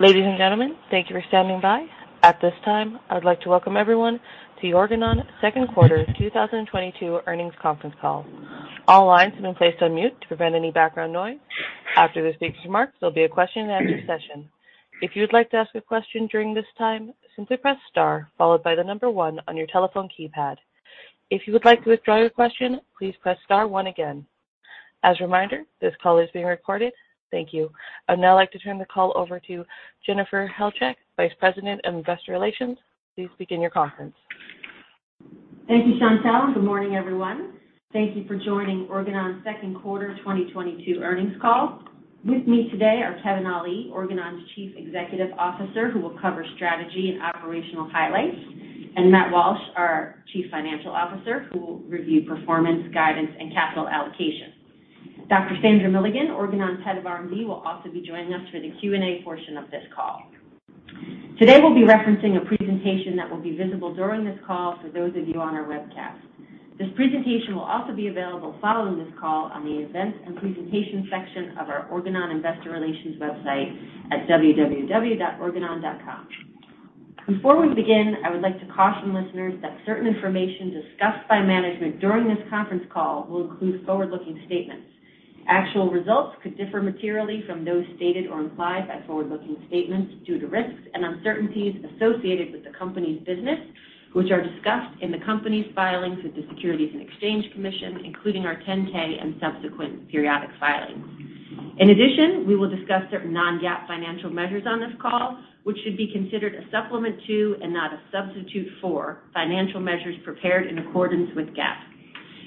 Ladies and gentlemen, thank you for standing by. At this time, I would like to welcome everyone to Organon Second Quarter 2022 Earnings Conference Call. All lines have been placed on mute to prevent any background noise. After the speaker's remarks, there'll be a question and answer session. If you'd like to ask a question during this time, simply press star followed by the number one on your telephone keypad. If you would like to withdraw your question, please press star one again. As a reminder, this call is being recorded. Thank you. I'd now like to turn the call over to Jennifer Halchak, Vice President of Investor Relations. Please begin the conference. Thank you, Chantelle. Good morning, everyone. Thank you for joining Organon Second Quarter 2022 Earnings Call. With me today are Kevin Ali, Organon's Chief Executive Officer, who will cover strategy and operational highlights, and Matthew Walsh, our Chief Financial Officer, who will review performance, guidance, and capital allocation. Dr. Sandra Milligan, Organon's Head of R&D, will also be joining us for the Q&A portion of this call. Today, we'll be referencing a presentation that will be visible during this call for those of you on our webcast. This presentation will also be available following this call on the Events and Presentation section of our Organon Investor Relations website at www.organon.com. Before we begin, I would like to caution listeners that certain information discussed by management during this conference call will include forward-looking statements. Actual results could differ materially from those stated or implied by forward-looking statements due to risks and uncertainties associated with the company's business, which are discussed in the company's filings with the Securities and Exchange Commission, including our 10-K and subsequent periodic filings. In addition, we will discuss certain non-GAAP financial measures on this call, which should be considered a supplement to and not a substitute for financial measures prepared in accordance with GAAP.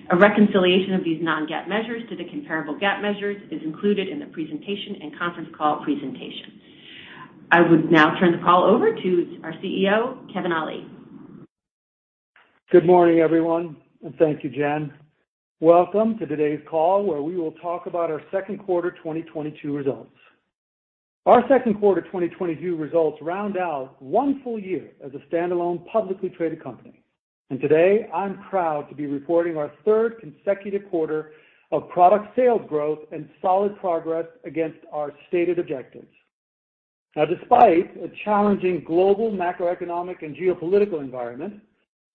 A reconciliation of these non-GAAP measures to the comparable GAAP measures is included in the presentation and conference call presentation. I would now turn the call over to our CEO, Kevin Ali. Good morning, everyone, and thank you, Jen. Welcome to today's call, where we will talk about our second quarter 2022 results. Our second quarter 2022 results round out one full year as a standalone publicly traded company. Today, I'm proud to be reporting our third consecutive quarter of product sales growth and solid progress against our stated objectives. Now, despite a challenging global macroeconomic and geopolitical environment,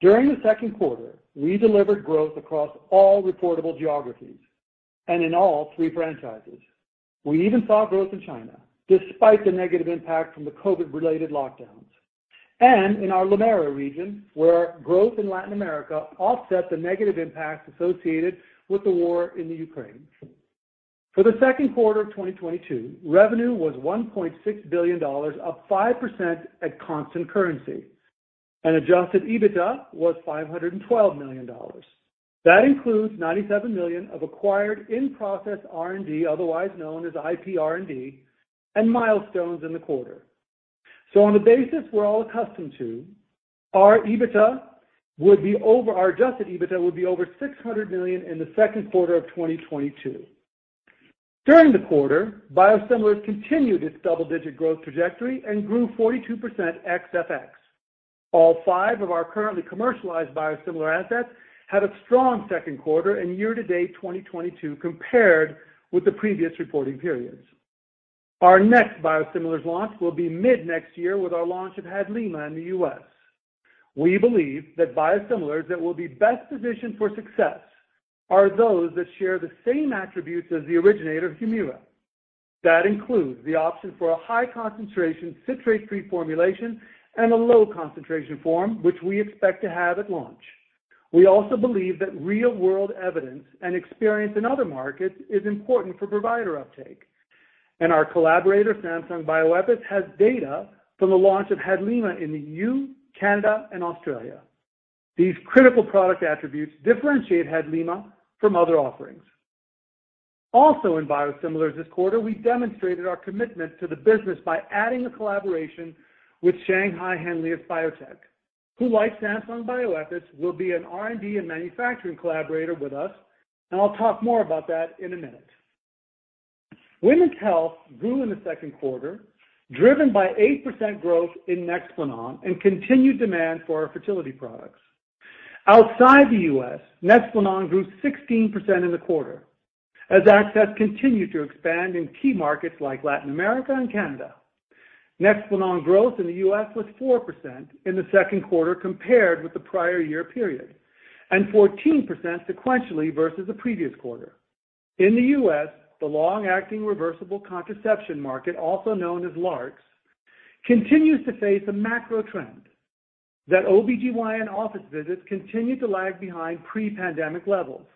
during the second quarter, we delivered growth across all reportable geographies and in all three franchises. We even saw growth in China, despite the negative impact from the COVID-related lockdowns, and in our LATAM region, where growth in Latin America offset the negative impacts associated with the war in Ukraine. For the second quarter of 2022, revenue was $1.6 billion, up 5% at constant currency, and Adjusted EBITDA was $512 million. That includes $97 million of acquired in-process R&D, otherwise known as IP R&D, and milestones in the quarter. On the basis we're all accustomed to, our Adjusted EBITDA would be over $600 million in the second quarter of 2022. During the quarter, biosimilars continued its double-digit growth trajectory and grew 42% ex FX. All five of our currently commercialized biosimilar assets had a strong second quarter and year-to-date 2022 compared with the previous reporting periods. Our next biosimilars launch will be mid-next year with our launch of HADLIMA in the U.S. We believe that biosimilars that will be best positioned for success are those that share the same attributes as the originator, Humira. That includes the option for a high-concentration citrate-free formulation and a low-concentration form, which we expect to have at launch. We also believe that real-world evidence and experience in other markets is important for provider uptake. Our collaborator, Samsung Bioepis, has data from the launch of HADLIMA in the EU, Canada, and Australia. These critical product attributes differentiate HADLIMA from other offerings. Also in biosimilars this quarter, we demonstrated our commitment to the business by adding a collaboration with Shanghai Henlius Biotech, who, like Samsung Bioepis, will be an R&D and manufacturing collaborator with us. I'll talk more about that in a minute. Women's health grew in the second quarter, driven by 8% growth in NEXPLANON and continued demand for our fertility products. Outside the U.S., NEXPLANON grew 16% in the quarter as access continued to expand in key markets like Latin America and Canada. NEXPLANON growth in the U.S. was 4% in the second quarter compared with the prior year period, and 14% sequentially versus the previous quarter. In the U.S., the long-acting reversible contraception market, also known as LARCs, continues to face a macro trend that OBGYN office visits continue to lag behind pre-pandemic levels.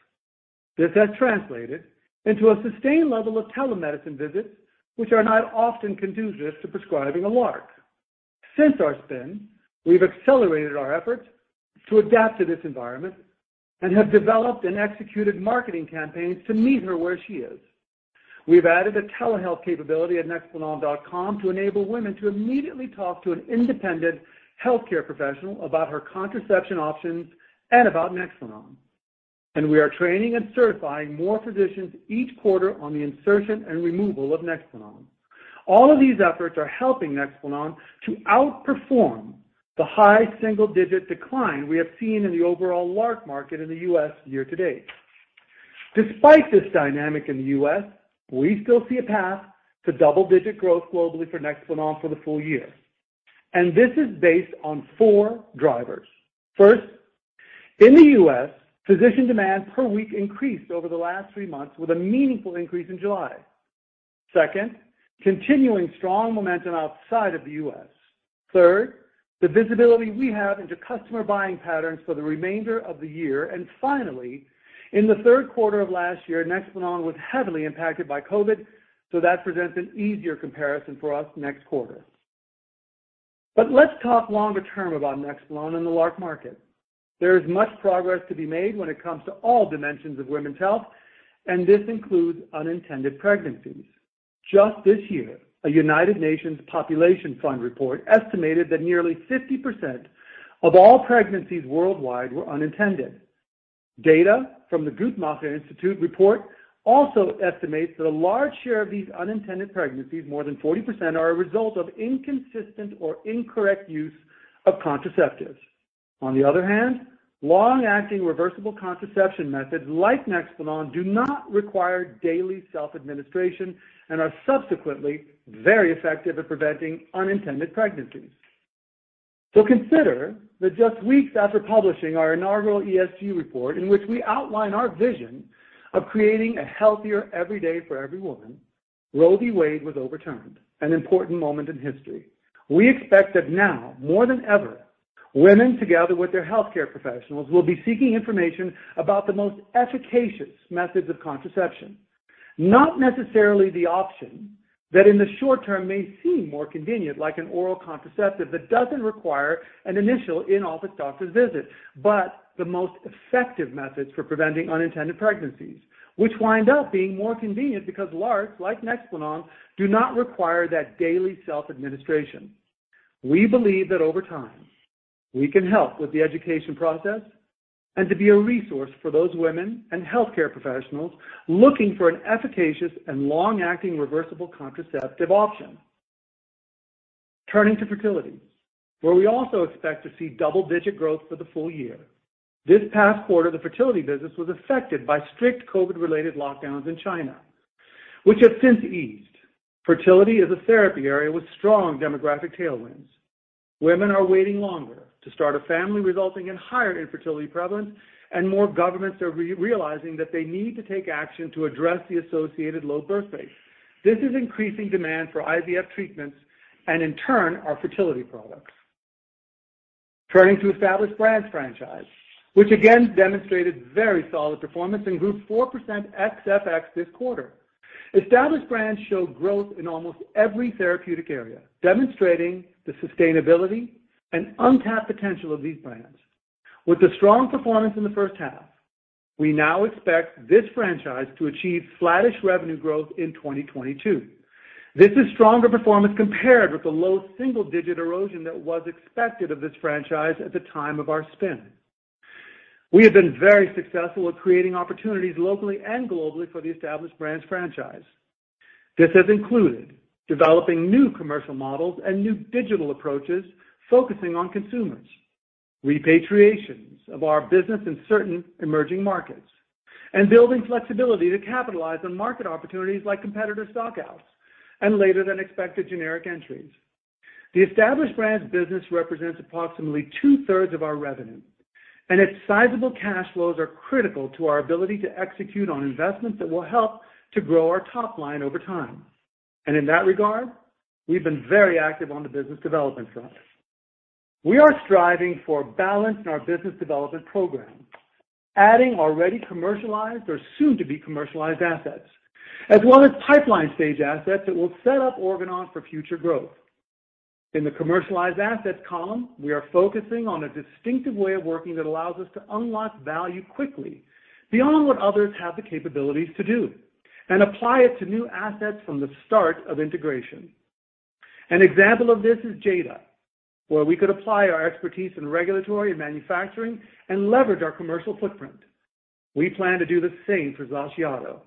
This has translated into a sustained level of telemedicine visits, which are not often conducive to prescribing a LARC. Since our spin, we've accelerated our efforts to adapt to this environment and have developed and executed marketing campaigns to meet her where she is. We've added a telehealth capability at Nexplanon.com to enable women to immediately talk to an independent healthcare professional about her contraception options and about NEXPLANON. We are training and certifying more physicians each quarter on the insertion and removal of NEXPLANON. All of these efforts are helping NEXPLANON to outperform the high single-digit decline we have seen in the overall LARC market in the U.S. year-to-date. Despite this dynamic in the U.S., we still see a path to double-digit growth globally for NEXPLANON for the full year. This is based on four drivers. First, in the U.S., physician demand per week increased over the last three months with a meaningful increase in July. Second, continuing strong momentum outside of the U.S. Third, the visibility we have into customer buying patterns for the remainder of the year. Finally, in the third quarter of last year, NEXPLANON was heavily impacted by COVID, so that presents an easier comparison for us next quarter. Let's talk longer term about NEXPLANON in the LARC market. There is much progress to be made when it comes to all dimensions of women's health, and this includes unintended pregnancies. Just this year, a United Nations Population Fund report estimated that nearly 50% of all pregnancies worldwide were unintended. Data from the Guttmacher Institute report also estimates that a large share of these unintended pregnancies, more than 40%, are a result of inconsistent or incorrect use of contraceptives. On the other hand, long-acting reversible contraception methods like NEXPLANON do not require daily self-administration and are subsequently very effective at preventing unintended pregnancies. Consider that just weeks after publishing our inaugural ESG report, in which we outline our vision of creating a healthier every day for every woman, Roe v. Wade was overturned, an important moment in history. We expect that now, more than ever, women, together with their healthcare professionals, will be seeking information about the most efficacious methods of contraception. Not necessarily the option that in the short term may seem more convenient, like an oral contraceptive that doesn't require an initial in-office doctor's visit, but the most effective methods for preventing unintended pregnancies, which wind up being more convenient because LARCs like NEXPLANON do not require that daily self-administration. We believe that over time, we can help with the education process and to be a resource for those women and healthcare professionals looking for an efficacious and long-acting reversible contraceptive option. Turning to fertility, where we also expect to see double-digit growth for the full year. This past quarter, the fertility business was affected by strict COVID-related lockdowns in China, which have since eased. Fertility is a therapy area with strong demographic tailwinds. Women are waiting longer to start a family, resulting in higher infertility prevalence, and more governments are re-realizing that they need to take action to address the associated low birth rates. This is increasing demand for IVF treatments and in turn, our fertility products. Turning to Established Brands franchise, which again demonstrated very solid performance, improved 4% ex FX this quarter. Established Brands showed growth in almost every therapeutic area, demonstrating the sustainability and untapped potential of these brands. With the strong performance in the first half, we now expect this franchise to achieve flattish revenue growth in 2022. This is stronger performance compared with the low single-digit erosion that was expected of this franchise at the time of our spin. We have been very successful at creating opportunities locally and globally for the Established Brands franchise. This has included developing new commercial models and new digital approaches focusing on consumers, repatriations of our business in certain emerging markets, and building flexibility to capitalize on market opportunities like competitor stock-outs and later-than-expected generic entries. The Established Brands business represents approximately 2/3 of our revenue, and its sizable cash flows are critical to our ability to execute on investments that will help to grow our top line over time. In that regard, we've been very active on the business development front. We are striving for balance in our business development program, adding already commercialized or soon-to-be-commercialized assets, as well as pipeline-stage assets that will set up Organon for future growth. In the commercialized assets column, we are focusing on a distinctive way of working that allows us to unlock value quickly beyond what others have the capabilities to do and apply it to new assets from the start of integration. An example of this is JADA, where we could apply our expertise in regulatory and manufacturing and leverage our commercial footprint. We plan to do the same for XACIATO.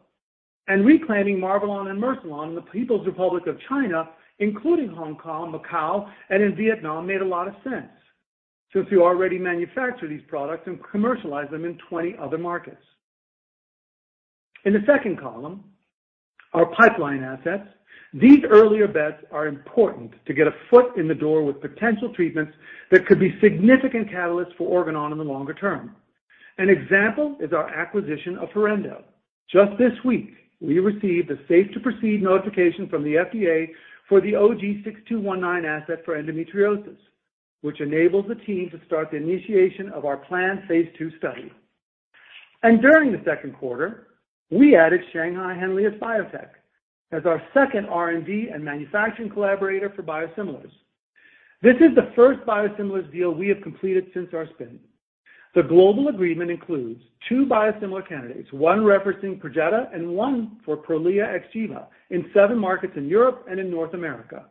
Reclaiming Marvelon and Mercilon in the People's Republic of China, including Hong Kong, Macau, and in Vietnam, made a lot of sense since we already manufacture these products and commercialize them in 20 other markets. In the second column, our pipeline assets, these earlier bets are important to get a foot in the door with potential treatments that could be significant catalysts for Organon in the longer term. An example is our acquisition of Forendo. Just this week, we received a safe to proceed notification from the FDA for the OG-6219 asset for endometriosis, which enables the team to start the initiation of our planned phase II study. During the second quarter, we added Shanghai Henlius Biotech as our second R&D and manufacturing collaborator for biosimilars. This is the first biosimilars deal we have completed since our spin. The global agreement includes two biosimilar candidates, one referencing Perjeta and one for Prolia/Xgeva in seven markets in Europe and in North America.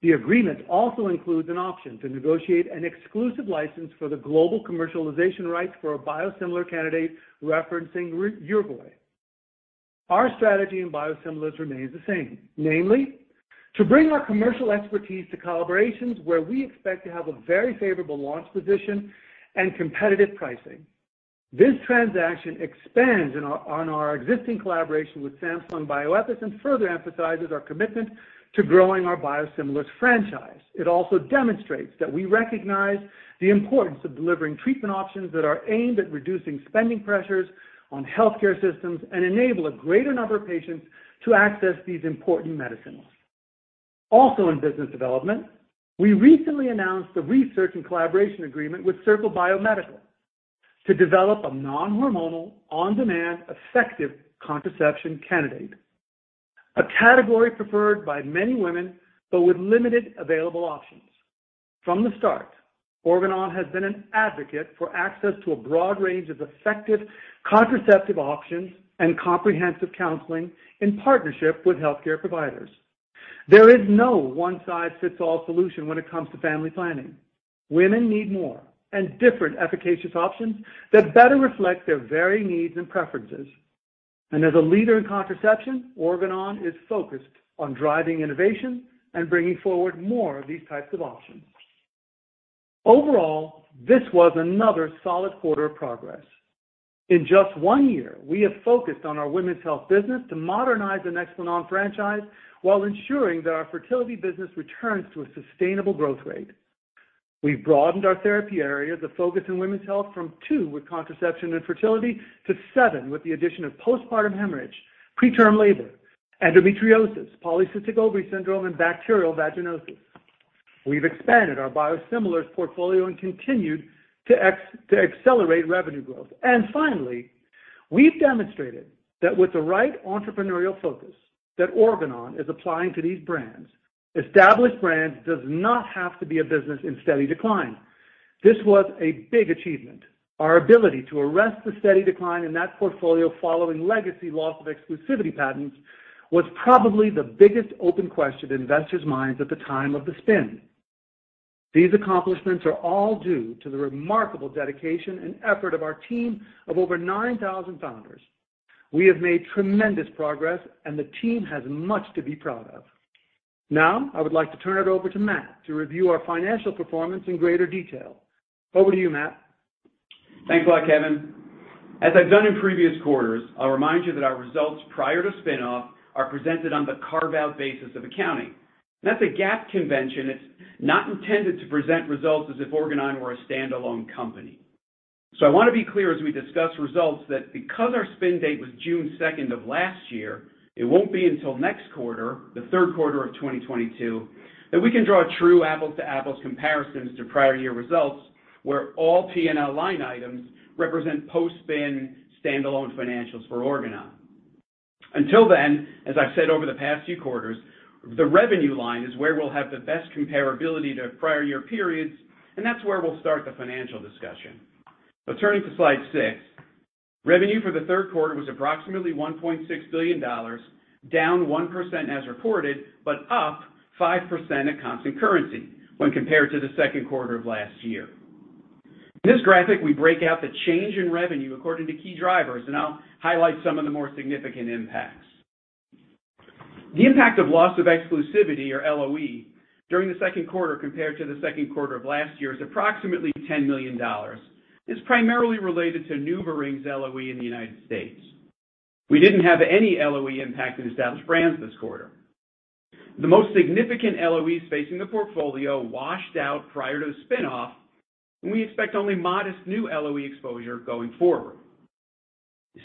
The agreement also includes an option to negotiate an exclusive license for the global commercialization rights for a biosimilar candidate referencing Rituxan. Our strategy in biosimilars remains the same, namely, to bring our commercial expertise to collaborations where we expect to have a very favorable launch position and competitive pricing. This transaction expands on our existing collaboration with Samsung Bioepis and further emphasizes our commitment to growing our biosimilars franchise. It also demonstrates that we recognize the importance of delivering treatment options that are aimed at reducing spending pressures on healthcare systems and enable a greater number of patients to access these important medicines. Also in business development, we recently announced the research and collaboration agreement with Cirqle Biomedical to develop a non-hormonal, on-demand, effective contraception candidate, a category preferred by many women, but with limited available options. From the start, Organon has been an advocate for access to a broad range of effective contraceptive options and comprehensive counseling in partnership with healthcare providers. There is no one-size-fits-all solution when it comes to family planning. Women need more and different efficacious options that better reflect their varying needs and preferences. As a leader in contraception, Organon is focused on driving innovation and bringing forward more of these types of options. Overall, this was another solid quarter of progress. In just one year, we have focused on our women's health business to modernize the NEXPLANON franchise while ensuring that our fertility business returns to a sustainable growth rate. We've broadened our therapy area, the focus in women's health from two with contraception and fertility to seven with the addition of postpartum hemorrhage, preterm labor, endometriosis, polycystic ovary syndrome, and bacterial vaginosis. We've expanded our biosimilars portfolio and continued to accelerate revenue growth. And finally, we've demonstrated that with the right entrepreneurial focus that Organon is applying to these brands, established brands does not have to be a business in steady decline. This was a big achievement. Our ability to arrest the steady decline in that portfolio following legacy loss of exclusivity patents was probably the biggest open question in investors' minds at the time of the spin. These accomplishments are all due to the remarkable dedication and effort of our team of over 9,000 founders. We have made tremendous progress, and the team has much to be proud of. Now, I would like to turn it over to Matt to review our financial performance in greater detail. Over to you, Matt. Thanks a lot, Kevin. As I've done in previous quarters, I'll remind you that our results prior to spin-off are presented on the carve-out basis of accounting. That's a GAAP convention. It's not intended to present results as if Organon were a standalone company. I want to be clear as we discuss results that because our spin date was June second of last year, it won't be until next quarter, the third quarter of 2022, that we can draw true apples-to-apples comparisons to prior year results, where all P&L line items represent post-spin standalone financials for Organon. Until then, as I've said over the past few quarters, the revenue line is where we'll have the best comparability to prior year periods, and that's where we'll start the financial discussion. Turning to slide six, revenue for the third quarter was approximately $1.6 billion, down 1% as reported, but up 5% at constant currency when compared to the second quarter of last year. In this graphic, we break out the change in revenue according to key drivers, and I'll highlight some of the more significant impacts. The impact of loss of exclusivity or LOE during the second quarter compared to the second quarter of last year is approximately $10 million, is primarily related to NuvaRing's LOE in the United States. We didn't have any LOE impact in Established Brands this quarter. The most significant LOEs facing the portfolio washed out prior to the spin-off, and we expect only modest new LOE exposure going forward.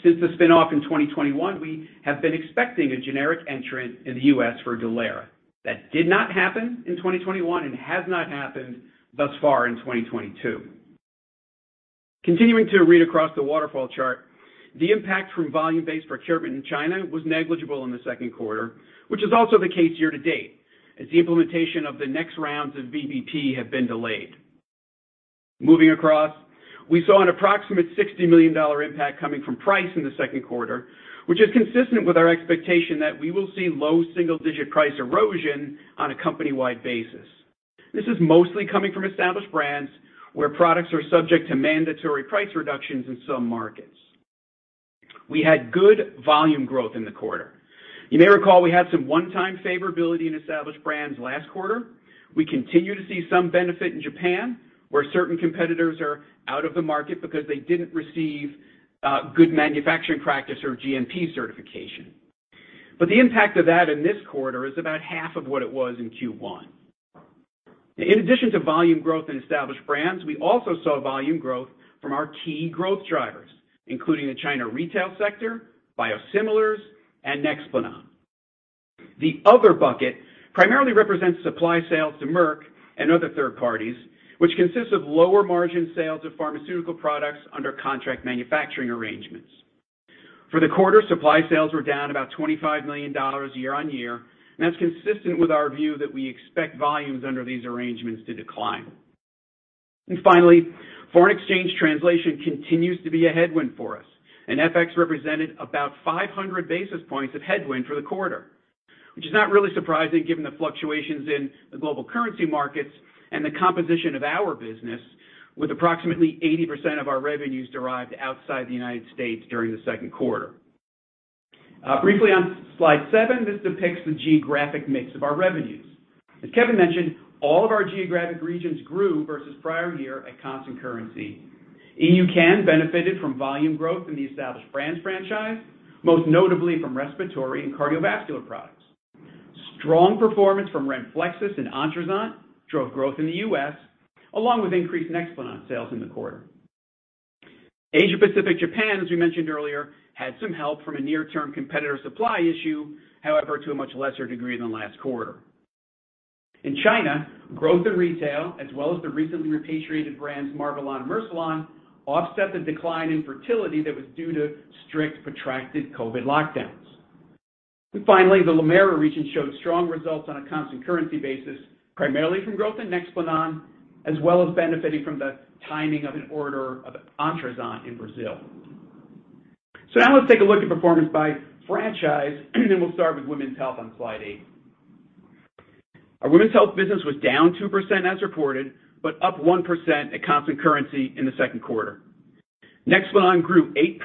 Since the spin-off in 2021, we have been expecting a generic entrant in the U.S. for DULERA. That did not happen in 2021 and has not happened thus far in 2022. Continuing to read across the waterfall chart, the impact from Volume-Based Procurement in China was negligible in the second quarter, which is also the case year-to-date, as the implementation of the next rounds of VBP have been delayed. Moving across, we saw an approximate $60 million impact coming from price in the second quarter, which is consistent with our expectation that we will see low single-digit price erosion on a company-wide basis. This is mostly coming from Established Brands, where products are subject to mandatory price reductions in some markets. We had good volume growth in the quarter. You may recall we had some one-time favorability in Established Brands last quarter. We continue to see some benefit in Japan, where certain competitors are out of the market because they didn't receive Good Manufacturing Practice or GMP certification. The impact of that in this quarter is about half of what it was in Q1. In addition to volume growth in Established Brands, we also saw volume growth from our key growth drivers, including the China retail sector, biosimilars, and NEXPLANON. The other bucket primarily represents supply sales to Merck and other third parties, which consists of lower-margin sales of pharmaceutical products under contract manufacturing arrangements. For the quarter, supply sales were down about $25 million year-on-year, and that's consistent with our view that we expect volumes under these arrangements to decline. Finally, foreign exchange translation continues to be a headwind for us. FX represented about 500 basis points of headwind for the quarter, which is not really surprising given the fluctuations in the global currency markets and the composition of our business, with approximately 80% of our revenues derived outside the United States during the second quarter. Briefly on slide seven, this depicts the geographic mix of our revenues. As Kevin mentioned, all of our geographic regions grew versus prior year at constant currency. EUCAN benefited from volume growth in the established brands franchise, most notably from respiratory and cardiovascular products. Strong performance from RENFLEXIS and ONTRUZANT drove growth in the U.S., along with increased NEXPLANON sales in the quarter. Asia Pacific, Japan, as we mentioned earlier, had some help from a near-term competitor supply issue, however, to a much lesser degree than last quarter. In China, growth in retail, as well as the recently repatriated brands, Marvelon and Mercilon, offset the decline in fertility that was due to strict, protracted COVID lockdowns. Finally, the LAMERA region showed strong results on a constant currency basis, primarily from growth in NEXPLANON, as well as benefiting from the timing of an order of ONTRUZANT in Brazil. Now let's take a look at performance by franchise, and we'll start with women's health on slide A. Our women's health business was down 2% as reported, but up 1% at constant currency in the second quarter. NEXPLANON grew 8%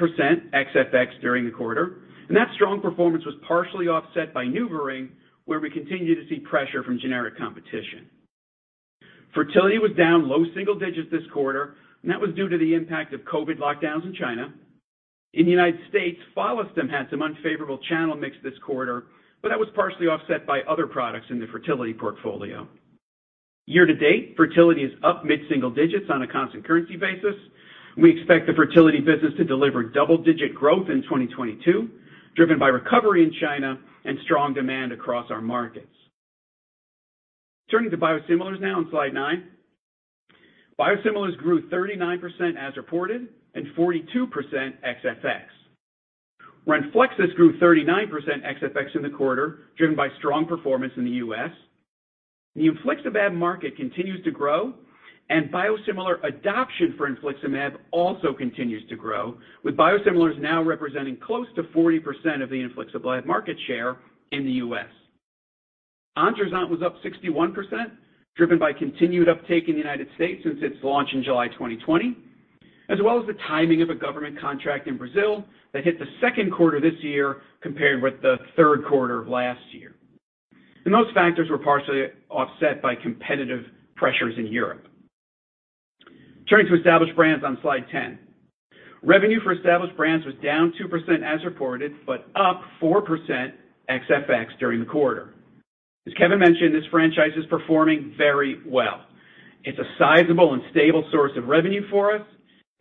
ex FX during the quarter, and that strong performance was partially offset by NuvaRing, where we continue to see pressure from generic competition. Fertility was down low single digits this quarter, and that was due to the impact of COVID lockdowns in China. In the United States, FOLLISTIM had some unfavorable channel mix this quarter, but that was partially offset by other products in the fertility portfolio. Year to date, fertility is up mid-single digits on a constant currency basis. We expect the fertility business to deliver double-digit growth in 2022, driven by recovery in China and strong demand across our markets. Turning to biosimilars now on slide nine. Biosimilars grew 39% as reported and 42% ex FX. Renflexis grew 39% ex FX in the quarter, driven by strong performance in the U.S. The Infliximab market continues to grow, and biosimilar adoption for Infliximab also continues to grow, with biosimilars now representing close to 40% of the Infliximab market share in the U.S. NEXPLANON was up 61%, driven by continued uptake in the United States since its launch in July 2020, as well as the timing of a government contract in Brazil that hit the second quarter this year compared with the third quarter of last year. Those factors were partially offset by competitive pressures in Europe. Turning to Established Brands on slide 10. Revenue for Established Brands was down 2% as reported, but up 4% ex FX during the quarter. As Kevin mentioned, this franchise is performing very well. It's a sizable and stable source of revenue for us.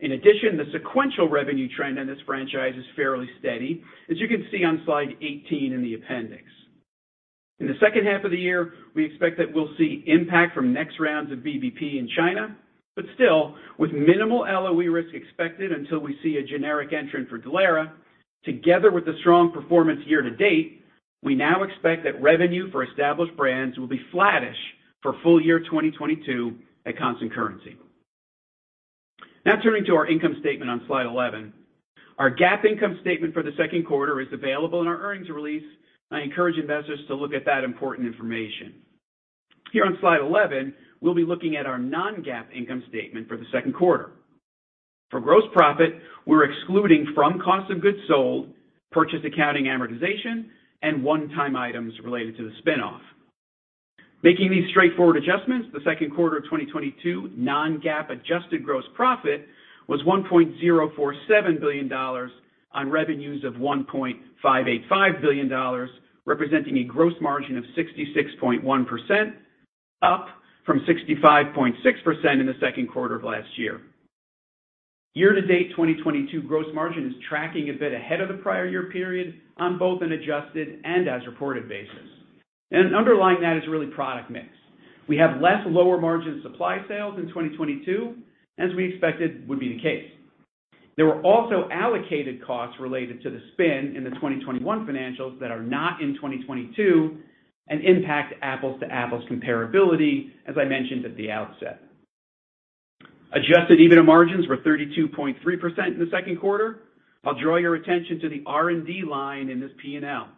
In addition, the sequential revenue trend in this franchise is fairly steady, as you can see on slide 18 in the appendix. In the second half of the year, we expect that we'll see impact from next rounds of VBP in China, but still, with minimal LOE risk expected until we see a generic entrant for DULERA. Together with the strong performance year to date, we now expect that revenue for Established Brands will be flattish for full year 2022 at constant currency. Now turning to our income statement on slide 11. Our GAAP income statement for the second quarter is available in our earnings release. I encourage investors to look at that important information. Here on slide 11, we'll be looking at our non-GAAP income statement for the second quarter. For gross profit, we're excluding from cost of goods sold, purchase accounting amortization, and one-time items related to the spin-off. Making these straightforward adjustments, the second quarter of 2022 non-GAAP adjusted gross profit was $1.047 billion on revenues of $1.585 billion, representing a gross margin of 66.1%, up from 65.6% in the second quarter of last year. Year to date, 2022 gross margin is tracking a bit ahead of the prior year period on both an adjusted and as reported basis. Underlying that is really product mix. We have less lower margin supply sales in 2022 as we expected would be the case. There were also allocated costs related to the spin in the 2021 financials that are not in 2022 and impact apples to apples comparability, as I mentioned at the outset. Adjusted EBITDA margins were 32.3% in the second quarter. I'll draw your attention to the R&D line in this P&L.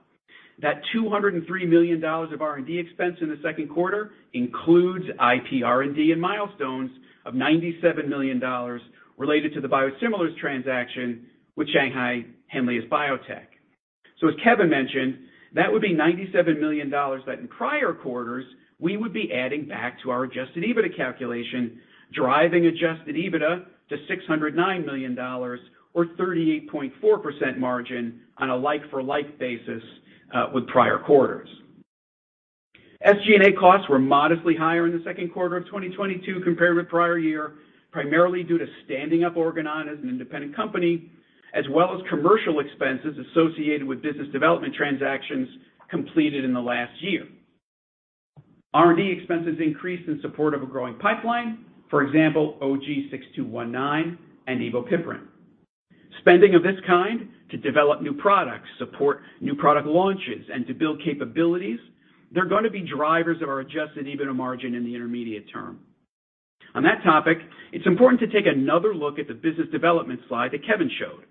That $203 million of R&D expense in the second quarter includes IP R&D and milestones of $97 million related to the biosimilars transaction with Shanghai Henlius Biotech. As Kevin mentioned, that would be $97 million that in prior quarters we would be adding back to our Adjusted EBITDA calculation, driving Adjusted EBITDA to $609 million or 38.4% margin on a like for like basis, with prior quarters. SG&A costs were modestly higher in the second quarter of 2022 compared with prior year, primarily due to standing up Organon as an independent company, as well as commercial expenses associated with business development transactions completed in the last year. R&D expenses increased in support of a growing pipeline. For example, OG-6219 and ebopiprant. Spending of this kind to develop new products, support new product launches, and to build capabilities, they're gonna be drivers of our Adjusted EBITDA margin in the intermediate term. On that topic, it's important to take another look at the business development slide that Kevin showed.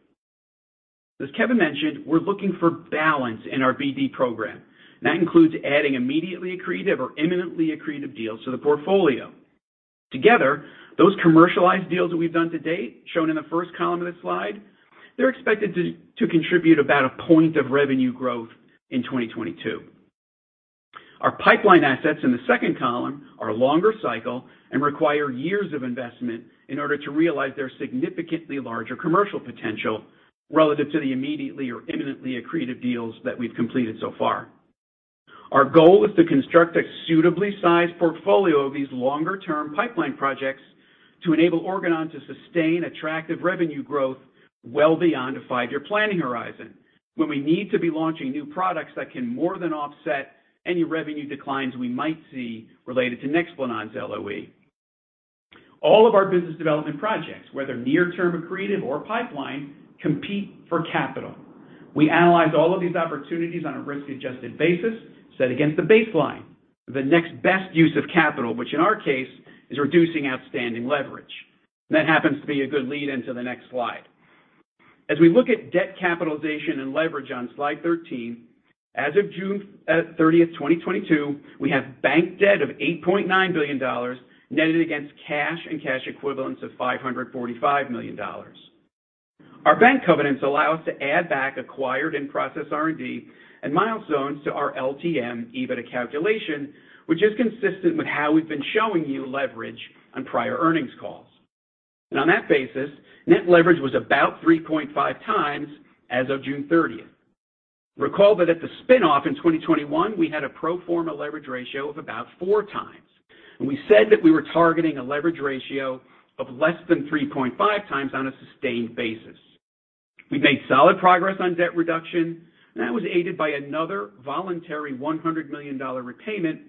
As Kevin mentioned, we're looking for balance in our BD program. That includes adding immediately accretive or imminently accretive deals to the portfolio. Together, those commercialized deals that we've done to date, shown in the first column of the slide, they're expected to contribute about 1 point of revenue growth in 2022. Our pipeline assets in the second column are longer cycle and require years of investment in order to realize their significantly larger commercial potential relative to the immediately or imminently accretive deals that we've completed so far. Our goal is to construct a suitably sized portfolio of these longer-term pipeline projects to enable Organon to sustain attractive revenue growth well beyond a five-year planning horizon when we need to be launching new products that can more than offset any revenue declines we might see related to NEXPLANON's LOE. All of our business development projects, whether near term accretive or pipeline, compete for capital. We analyze all of these opportunities on a risk-adjusted basis set against the baseline, the next best use of capital, which in our case is reducing outstanding leverage. That happens to be a good lead into the next slide. As we look at debt capitalization and leverage on slide 13, as of June 30th, 2022, we have bank debt of $8.9 billion netted against cash and cash equivalents of $545 million. Our bank covenants allow us to add back acquired in-process R&D and milestones to our LTM EBITDA calculation, which is consistent with how we've been showing you leverage on prior earnings calls. On that basis, net leverage was about 3.5x as of June 30th. Recall that at the spin-off in 2021, we had a pro forma leverage ratio of about 4x, and we said that we were targeting a leverage ratio of less than 3.5x on a sustained basis. We made solid progress on debt reduction, and that was aided by another voluntary $100 million repayment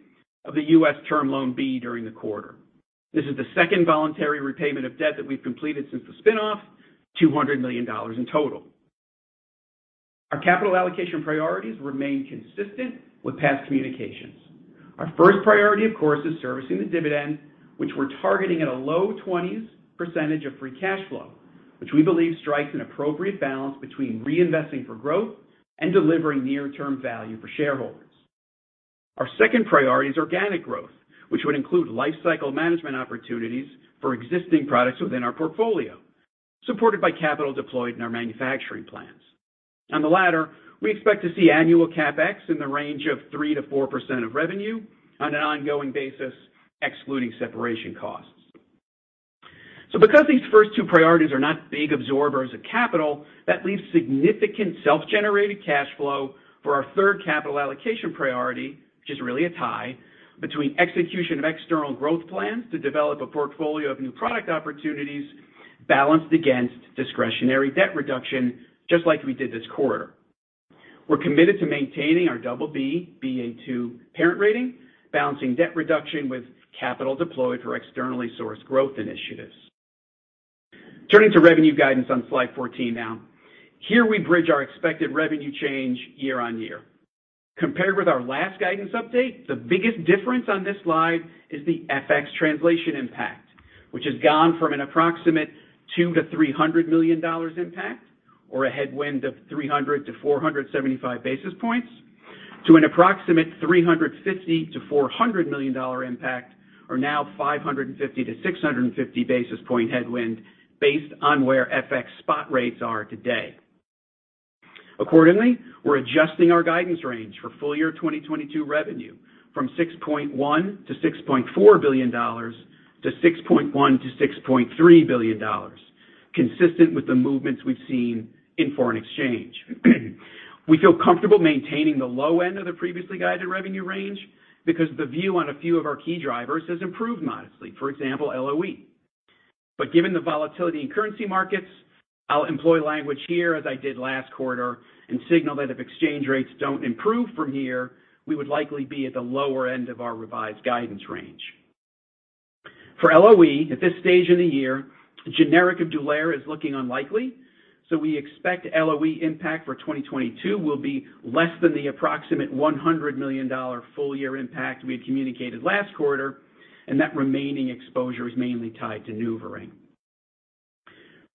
of the U.S. Term Loan B during the quarter. This is the second voluntary repayment of debt that we've completed since the spin-off, $200 million in total. Our capital allocation priorities remain consistent with past communications. Our first priority, of course, is servicing the dividend, which we're targeting at a low 20s percentage of free cash flow, which we believe strikes an appropriate balance between reinvesting for growth and delivering near-term value for shareholders. Our second priority is organic growth, which would include lifecycle management opportunities for existing products within our portfolio, supported by capital deployed in our manufacturing plants. On the latter, we expect to see annual CapEx in the range of 3%-4% of revenue on an ongoing basis, excluding separation costs. Because these first two priorities are not big absorbers of capital, that leaves significant self-generated cash flow for our third capital allocation priority, which is really a tie between execution of external growth plans to develop a portfolio of new product opportunities balanced against discretionary debt reduction, just like we did this quarter. We're committed to maintaining our BB, Ba2 parent rating, balancing debt reduction with capital deployed for externally sourced growth initiatives. Turning to revenue guidance on slide 14 now. Here we bridge our expected revenue change year-on-year. Compared with our last guidance update, the biggest difference on this slide is the FX translation impact, which has gone from an approximate $200-$300 million impact or a headwind of 300-475 basis points to an approximate $350-$400 million impact or now 550-650 basis point headwind based on where FX spot rates are today. Accordingly, we're adjusting our guidance range for full year 2022 revenue from $6.1-$6.4 billion to $6.1-$6.3 billion, consistent with the movements we've seen in foreign exchange. We feel comfortable maintaining the low end of the previously guided revenue range because the view on a few of our key drivers has improved modestly, for example, LOE. Given the volatility in currency markets, I'll employ language here as I did last quarter and signal that if exchange rates don't improve from here, we would likely be at the lower end of our revised guidance range. For LOE, at this stage in the year, generic of DULERA is looking unlikely, so we expect LOE impact for 2022 will be less than the approximate $100 million full year impact we had communicated last quarter, and that remaining exposure is mainly tied to NuvaRing.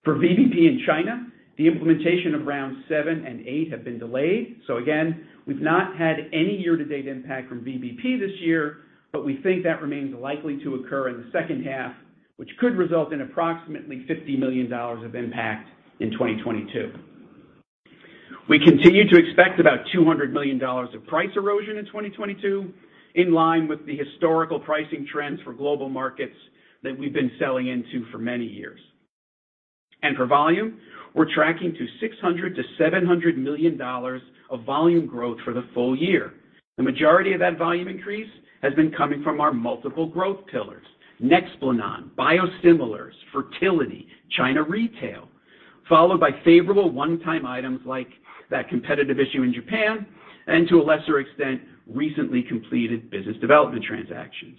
For VBP in China, the implementation of rounds seven and eight have been delayed. Again, we've not had any year-to-date impact from VBP this year, but we think that remains likely to occur in the second half, which could result in approximately $50 million of impact in 2022. We continue to expect about $200 million of price erosion in 2022, in line with the historical pricing trends for global markets that we've been selling into for many years. For volume, we're tracking to $600 million-$700 million of volume growth for the full year. The majority of that volume increase has been coming from our multiple growth pillars, NEXPLANON, biosimilars, fertility, China Retail, followed by favorable one-time items like that competitive issue in Japan and, to a lesser extent, recently completed business development transactions.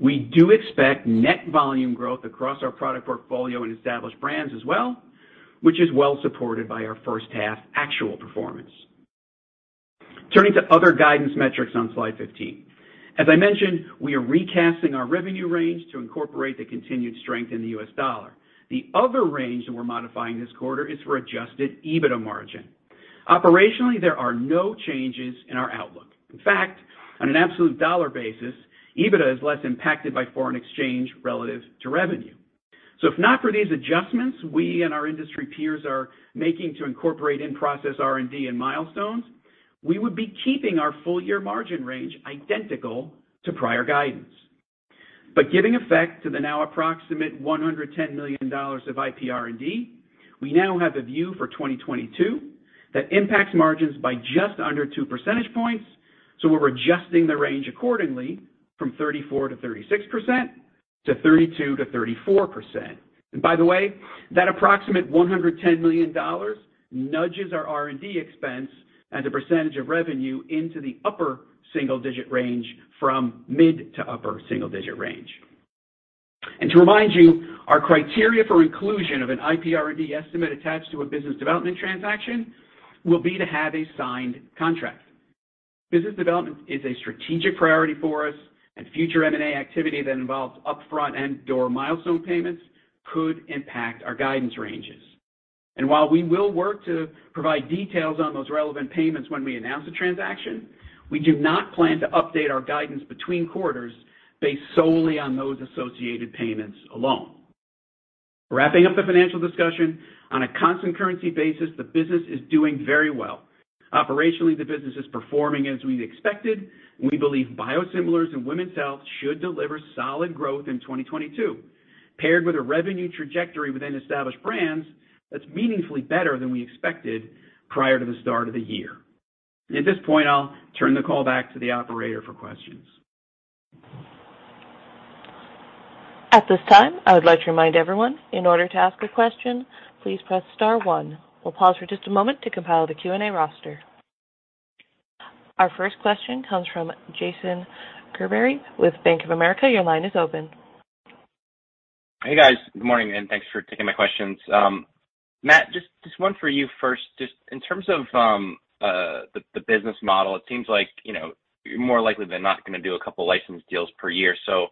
We do expect net volume growth across our product portfolio and established brands as well, which is well supported by our first half actual performance. Turning to other guidance metrics on slide 15. As I mentioned, we are recasting our revenue range to incorporate the continued strength in the US dollar. The other range that we're modifying this quarter is for Adjusted EBITDA margin. Operationally, there are no changes in our outlook. In fact, on an absolute dollar basis, EBITDA is less impacted by foreign exchange relative to revenue. If not for these adjustments we and our industry peers are making to incorporate in-process R&D and milestones, we would be keeping our full year margin range identical to prior guidance. Giving effect to the now approximate $110 million of IP R&D, we now have a view for 2022 that impacts margins by just under 2 percentage points, so we're adjusting the range accordingly from 34%-36% to 32%-34%. By the way, that approximate $110 million nudges our R&D expense as a percentage of revenue into the upper single digit range from mid to upper single digit range. To remind you, our criteria for inclusion of an IP R&D estimate attached to a business development transaction will be to have a signed contract. Business development is a strategic priority for us, and future M&A activity that involves upfront and/or milestone payments could impact our guidance ranges. While we will work to provide details on those relevant payments when we announce a transaction, we do not plan to update our guidance between quarters based solely on those associated payments alone. Wrapping up the financial discussion, on a constant currency basis, the business is doing very well. Operationally, the business is performing as we expected. We believe biosimilars and women's health should deliver solid growth in 2022, paired with a revenue trajectory within established brands that's meaningfully better than we expected prior to the start of the year. At this point, I'll turn the call back to the operator for questions. At this time, I would like to remind everyone, in order to ask a question, please press star one. We'll pause for just a moment to compile the Q&A roster. Our first question comes from Jason Gerberry with Bank of America. Your line is open. Hey, guys. Good morning, and thanks for taking my questions. Matt, just one for you first. Just in terms of the business model, it seems like you know, you're more likely than not gonna do a couple license deals per year. So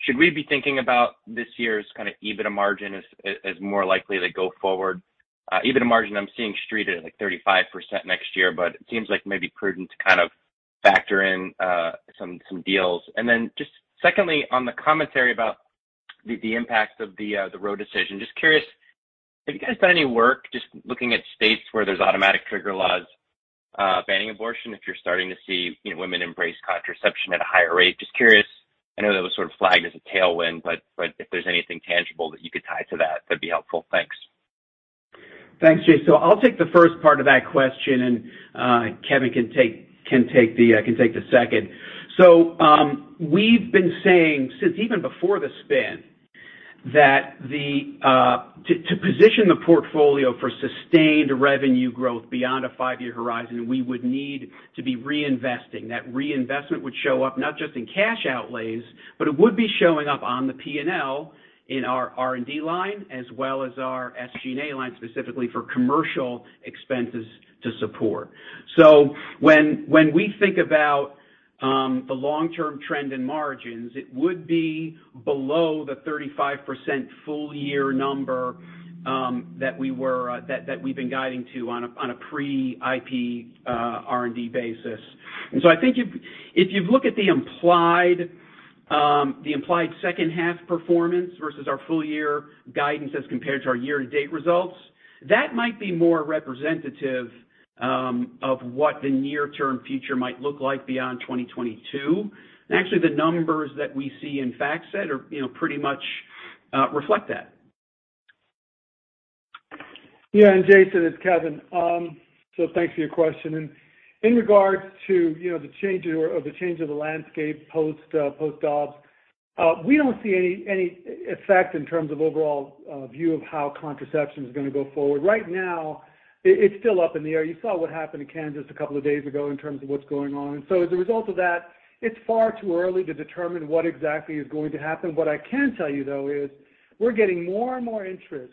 should we be thinking about this year's kinda EBITDA margin as more likely to go forward? EBITDA margin, I'm seeing Street at like 35% next year, but it seems like maybe prudent to kind of factor in some deals. Just secondly, on the commentary about the impact of the Roe decision, just curious, have you guys done any work just looking at states where there's automatic trigger laws banning abortion if you're starting to see you know, women embrace contraception at a higher rate? Just curious. I know that was sort of flagged as a tailwind, but if there's anything tangible that you could tie to that'd be helpful. Thanks. Thanks, Jason. I'll take the first part of that question and Kevin can take the second. We've been saying since even before the spin that to position the portfolio for sustained revenue growth beyond a five-year horizon, we would need to be reinvesting. That reinvestment would show up not just in cash outlays, but it would be showing up on the P&L in our R&D line as well as our SG&A line, specifically for commercial expenses to support. When we think about the long-term trend in margins, it would be below the 35% full year number that we've been guiding to on a pre-IP R&D basis. I think if you look at the implied second half performance versus our full year guidance as compared to our year-to-date results, that might be more representative of what the near-term future might look like beyond 2022. Actually, the numbers that we see in FactSet are, you know, pretty much reflect that. Yeah, Jason, it's Kevin. Thanks for your question. In regards to, you know, the changes or the change of the landscape post-Roe, we don't see any effect in terms of overall view of how contraception is gonna go forward. Right now, it's still up in the air. You saw what happened in Kansas a couple of days ago in terms of what's going on. As a result of that, it's far too early to determine what exactly is going to happen. What I can tell you, though, is we're getting more and more interest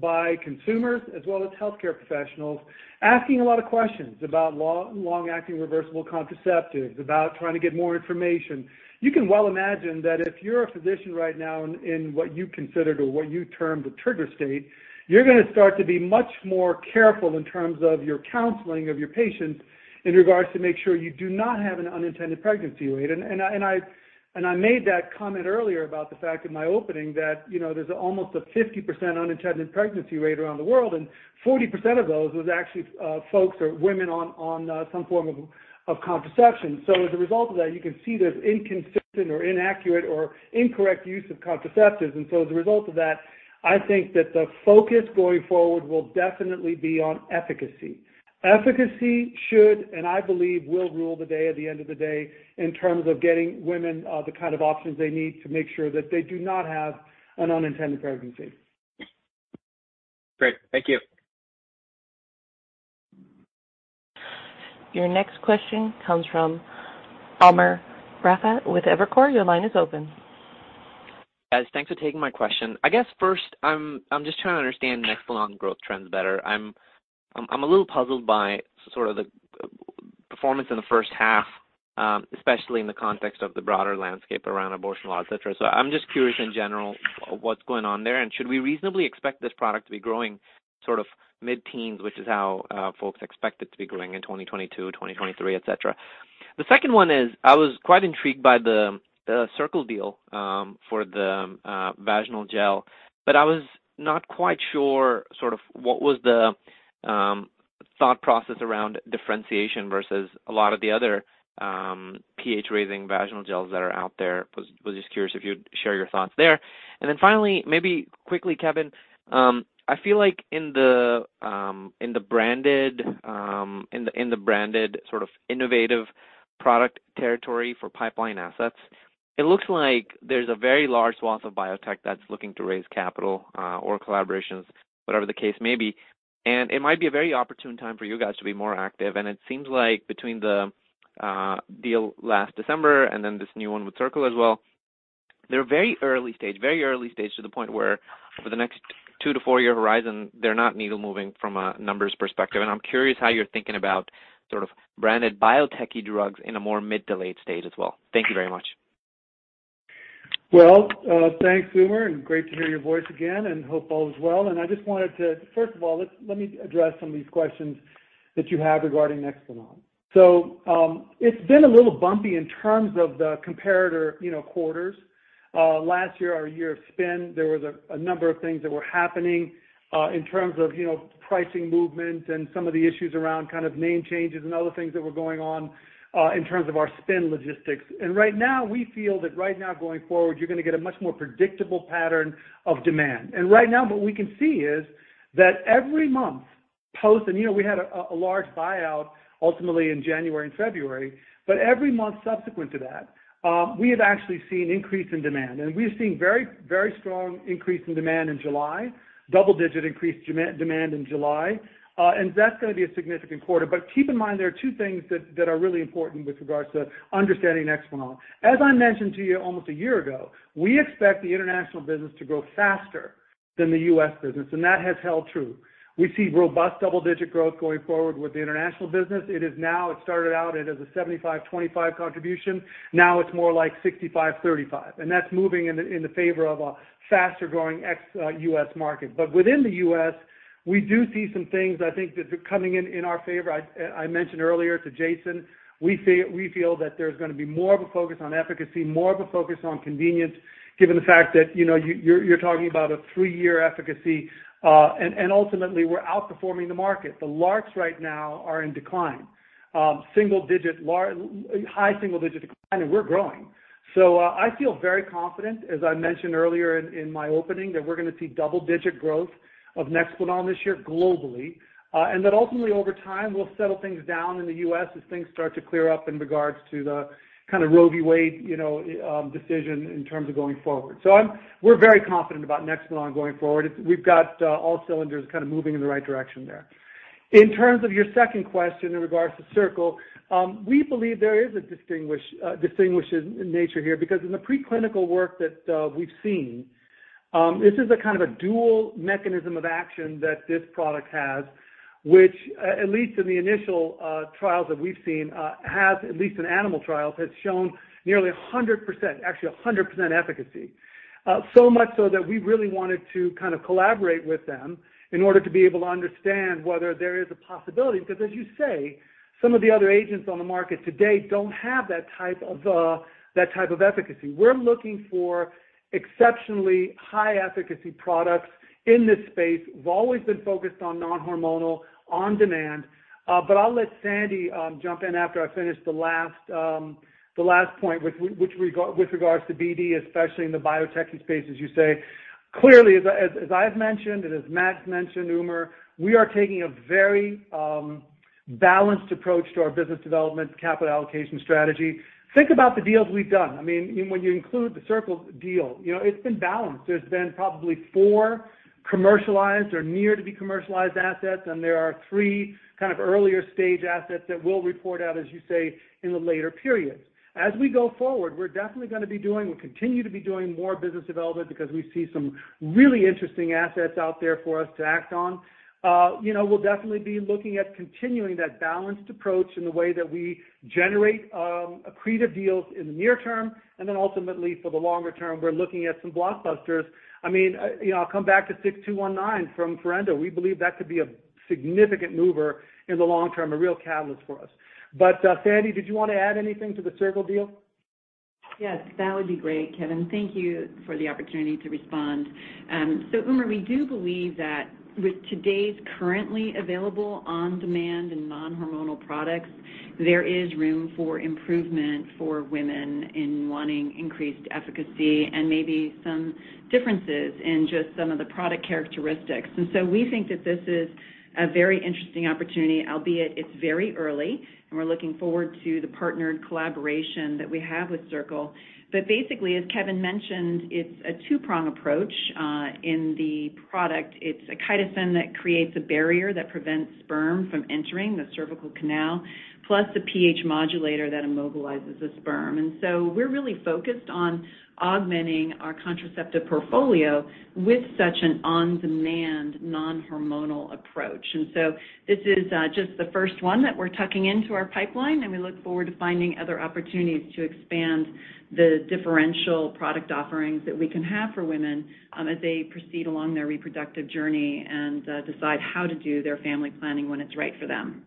by consumers as well as healthcare professionals asking a lot of questions about long-acting reversible contraceptives, about trying to get more information. You can well imagine that if you're a physician right now in what you consider or what you term the trigger state, you're gonna start to be much more careful in terms of your counseling of your patients in regards to make sure you do not have an unintended pregnancy rate. I made that comment earlier about the fact in my opening that, you know, there's almost a 50% unintended pregnancy rate around the world, and 40% of those was actually folks or women on some form of contraception. As a result of that, you can see there's inconsistent or inaccurate or incorrect use of contraceptives. As a result of that, I think that the focus going forward will definitely be on efficacy. Efficacy should, and I believe will rule the day at the end of the day in terms of getting women, the kind of options they need to make sure that they do not have an unintended pregnancy. Great. Thank you. Your next question comes from Umer Raffat with Evercore ISI, your line is open. Yes. Thanks for taking my question. I guess first I'm just trying to understand NEXPLANON growth trends better. I'm a little puzzled by sort of the performance in the first half, especially in the context of the broader landscape around abortion laws, et cetera. I'm just curious in general what's going on there, and should we reasonably expect this product to be growing sort of mid-teens, which is how folks expect it to be growing in 2022, 2023, et cetera. The second one is, I was quite intrigued by the Cirqle deal for the vaginal gel, but I was not quite sure sort of what was the thought process around differentiation versus a lot of the other pH-raising vaginal gels that are out there. I was just curious if you'd share your thoughts there. Finally, maybe quickly, Kevin, I feel like in the branded sort of innovative product territory for pipeline assets, it looks like there's a very large swath of biotech that's looking to raise capital, or collaborations, whatever the case may be. It might be a very opportune time for you guys to be more active. It seems like between the deal last December and then this new one with Cirqle as well, they're very early stage to the point where for the next two-four-year horizon, they're not needle-moving from a numbers perspective. I'm curious how you're thinking about sort of branded biotech-y drugs in a more mid to late stage as well. Thank you very much. Well, thanks, Umer, and great to hear your voice again, and hope all is well. First of all, let me address some of these questions that you have regarding NEXPLANON. It's been a little bumpy in terms of the comparator, you know, quarters. Last year, our year of spin, there was a number of things that were happening, in terms of, you know, pricing movement and some of the issues around kind of name changes and other things that were going on, in terms of our spin logistics. Right now, we feel that right now going forward, you're gonna get a much more predictable pattern of demand. Right now, what we can see is that every month post, and you know, we had a large buyout ultimately in January and February. Every month subsequent to that, we have actually seen increase in demand. We've seen very, very strong increase in demand in July, double-digit increase demand in July. That's gonna be a significant quarter. Keep in mind there are two things that are really important with regards to understanding NEXPLANON. As I mentioned to you almost a year ago, we expect the international business to grow faster than the U.S. business, and that has held true. We see robust double-digit growth going forward with the international business. It is now, it started out as a 75, 25 contribution. Now, it's more like 65, 35, and that's moving in the favor of a faster-growing ex-U.S. market. Within the U.S., we do see some things I think that are coming in our favor. I mentioned earlier to Jason, we feel that there's gonna be more of a focus on efficacy, more of a focus on convenience given the fact that, you know, you're talking about a three-year efficacy. Ultimately, we're outperforming the market. The LARCs right now are in decline. High single-digit decline, and we're growing. I feel very confident, as I mentioned earlier in my opening, that we're gonna see double-digit growth of NEXPLANON this year globally. Ultimately, over time, we'll settle things down in the U.S. as things start to clear up in regards to the kind of Roe v. Wade, you know, decision in terms of going forward. We're very confident about NEXPLANON going forward. We've got all cylinders kind of moving in the right direction there. In terms of your second question in regards to Cirqle, we believe there is a distinguishing nature here because in the preclinical work that we've seen, this is a kind of a dual mechanism of action that this product has, which at least in the initial trials that we've seen at least in animal trials has shown nearly 100%, actually 100% efficacy. So much so that we really wanted to kind of collaborate with them in order to be able to understand whether there is a possibility. Because as you say, some of the other agents on the market today don't have that type of efficacy. We're looking for exceptionally high efficacy products in this space. We've always been focused on non-hormonal, on demand. I'll let Sandy jump in after I finish the last point with regards to BD, especially in the biotech-y space, as you say. Clearly, as I've mentioned and as Matt's mentioned, Umer, we are taking a very balanced approach to our business development capital allocation strategy. Think about the deals we've done. I mean, when you include the Cirqle deal, you know, it's been balanced. There's been probably four commercialized or near-to-be-commercialized assets, and there are three kind of earlier stage assets that we'll report out, as you say, in the later periods. As we go forward, we'll continue to be doing more business development because we see some really interesting assets out there for us to act on. You know, we'll definitely be looking at continuing that balanced approach in the way that we generate accretive deals in the near term, and then ultimately for the longer term, we're looking at some blockbusters. I mean, you know, I'll come back to OG-6219 from Forendo. We believe that could be a significant mover in the long term, a real catalyst for us. Sandy, did you want to add anything to the Cirqle deal? Yes, that would be great, Kevin. Thank you for the opportunity to respond. So Umer, we do believe that with today's currently available on-demand and non-hormonal products, there is room for improvement for women in wanting increased efficacy and maybe some differences in just some of the product characteristics. We think that this is a very interesting opportunity, albeit it's very early, and we're looking forward to the partnered collaboration that we have with Cirqle. Basically, as Kevin mentioned, it's a two-prong approach in the product. It's a chitosan that creates a barrier that prevents sperm from entering the cervical canal, plus the pH modulator that immobilizes the sperm. We're really focused on augmenting our contraceptive portfolio with such an on-demand non-hormonal approach. This is just the first one that we're tucking into our pipeline, and we look forward to finding other opportunities to expand the differential product offerings that we can have for women, as they proceed along their reproductive journey and decide how to do their family planning when it's right for them.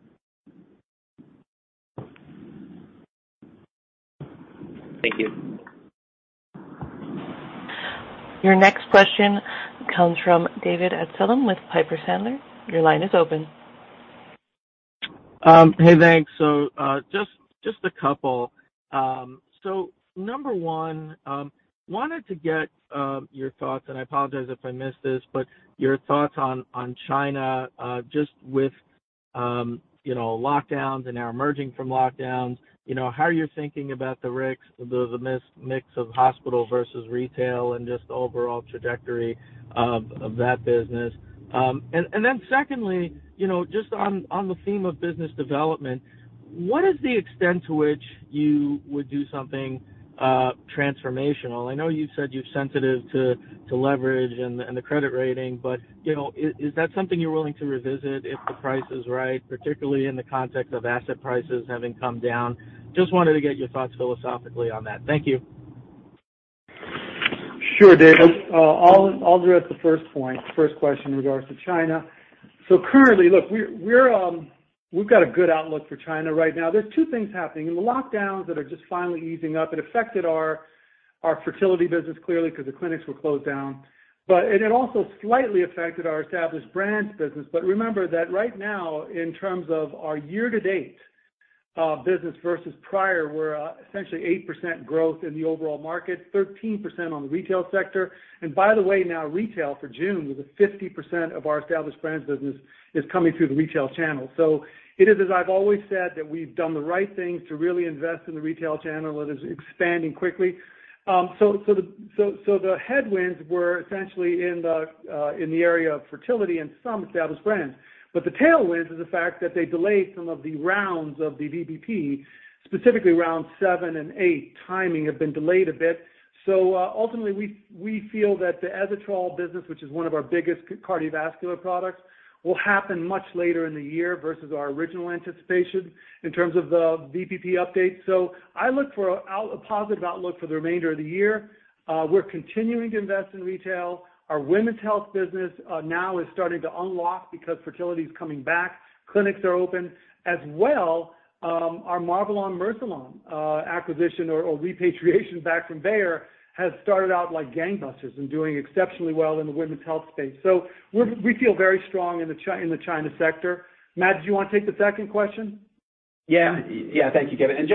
Thank you. Your next question comes from David Amsellem with Piper Sandler. Your line is open. Hey, thanks. Just a couple. Number one, wanted to get your thoughts, and I apologize if I missed this, but your thoughts on China, just with you know, lockdowns and now emerging from lockdowns, you know, how you're thinking about the risks, the mismatch of hospital versus retail and just the overall trajectory of that business. Secondly, you know, just on the theme of business development, what is the extent to which you would do something transformational? I know you said you're sensitive to leverage and the credit rating, but you know, is that something you're willing to revisit if the price is right, particularly in the context of asset prices having come down? Just wanted to get your thoughts philosophically on that. Thank you. Sure, David. I'll address the first point, first question in regards to China. Currently, look, we've got a good outlook for China right now. There's two things happening. The lockdowns that are just finally easing up, it affected our fertility business clearly because the clinics were closed down, but it had also slightly affected our Established Brands business. Remember that right now, in terms of our year-to-date business versus prior, we're essentially 8% growth in the overall market, 13% on the retail sector. By the way, now retail for June, with 50% of our Established Brands business is coming through the retail channel. It is, as I've always said, that we've done the right thing to really invest in the retail channel, and it is expanding quickly. The headwinds were essentially in the area of fertility and some established brands. The tailwinds is the fact that they delayed some of the rounds of the VBP, specifically rounds seven and eight, timing have been delayed a bit. Ultimately, we feel that the Atozet business, which is one of our biggest cardiovascular products, will happen much later in the year versus our original anticipation in terms of the VBP updates. I look for a positive outlook for the remainder of the year. We're continuing to invest in retail. Our women's health business now is starting to unlock because fertility is coming back. Clinics are open. As well, our Marvelon/Mercilon acquisition or repatriation back from Bayer has started out like gangbusters and doing exceptionally well in the women's health space. We feel very strong in the China sector. Matt, do you wanna take the second question? Thank you, Kevin.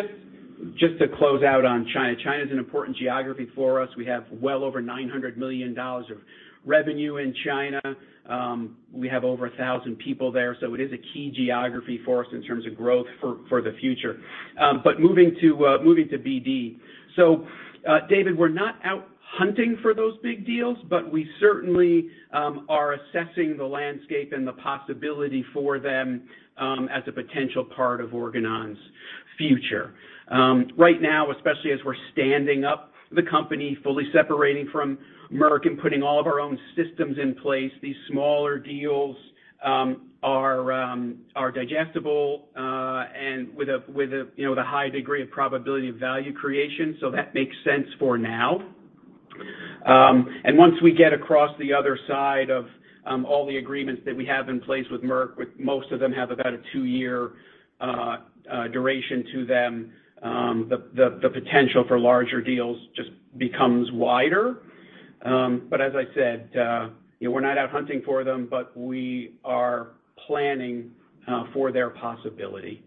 Just to close out on China. China's an important geography for us. We have well over $900 million of revenue in China. We have over 1,000 people there. It is a key geography for us in terms of growth for the future. Moving to BD. David, we're not out hunting for those big deals, but we certainly are assessing the landscape and the possibility for them as a potential part of Organon's future. Right now, especially as we're standing up the company, fully separating from Merck and putting all of our own systems in place, these smaller deals are digestible and with a, you know, the high degree of probability of value creation. That makes sense for now. Once we get across the other side of all the agreements that we have in place with Merck, with most of them have about a two-year duration to them, the potential for larger deals just becomes wider. As I said, you know, we're not out hunting for them, but we are planning for their possibility.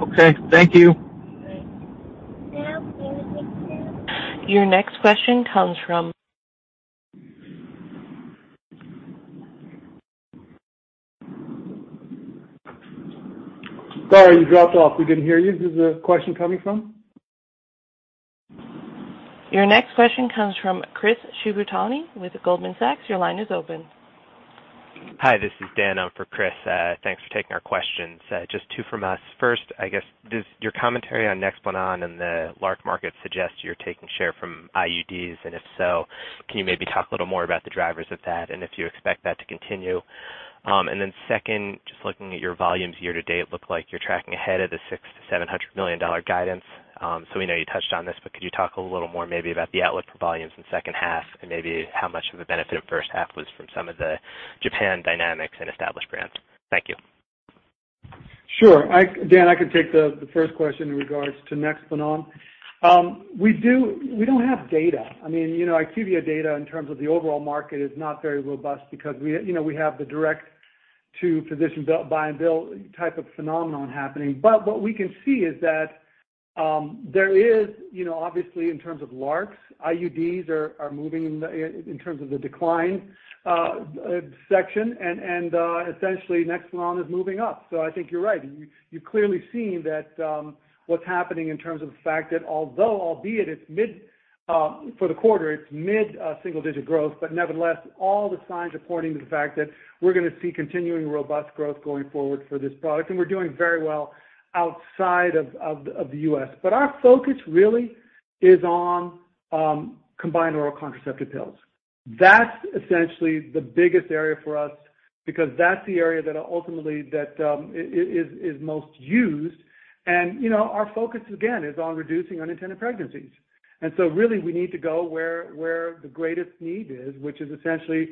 Okay. Thank you. Your next question comes from. Sorry, you dropped off. We didn't hear you. Who's the question coming from? Your next question comes from Chris Shibutani with Goldman Sachs. Your line is open. Hi, this is Dan. I'm for Chris. Thanks for taking our questions. Just two from us. First, I guess, does your commentary on NEXPLANON and the large market suggest you're taking share from IUDs? And if so, can you maybe talk a little more about the drivers of that and if you expect that to continue? Second, just looking at your volumes year to date, it looked like you're tracking ahead of the $600 million-$700 million guidance. We know you touched on this, but could you talk a little more maybe about the outlook for volumes in second half and maybe how much of the benefit of first half was from some of the Japan dynamics and established brands? Thank you. Sure. Dan, I can take the first question in regards to NEXPLANON. We don't have data. I mean, you know, IQVIA data in terms of the overall market is not very robust because we have the direct-to-physician build, buy and bill type of phenomenon happening. What we can see is that there is, you know, obviously in terms of LARCs, IUDs are moving in the decline section and essentially NEXPLANON is moving up. I think you're right. You've clearly seen that what's happening in terms of the fact that although albeit it's mid for the quarter, it's mid-single digit growth, but nevertheless, all the signs are pointing to the fact that we're gonna see continuing robust growth going forward for this product. We're doing very well outside of the U.S. Our focus really is on combined oral contraceptive pills. That's essentially the biggest area for us because that's the area that ultimately that is most used. You know, our focus again is on reducing unintended pregnancies. Really we need to go where the greatest need is, which is essentially